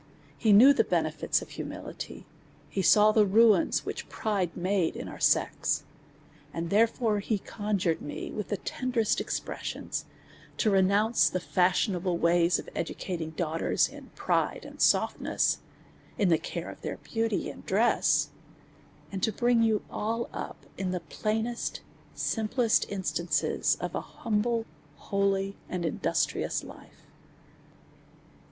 He knew the benefits of humility, he saw the ruins which pride made in our sex ; and, there fore, he conjured me, with the tenderest expressions, to renounce the fashionable way of educating daugh ters in pride and softness, in the care of their beauty and dress; and to bring you all up in the plainest, simplest instances of an humble, holy, and industrious life.